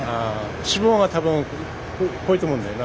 脂肪が多分濃いと思うんだよな。